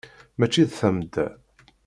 Mačči d tamedda.